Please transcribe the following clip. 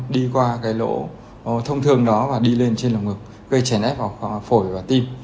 đi qua cái lỗ thông thường đó và đi lên trên lồng ngực gây chèn ép vào phổi và tim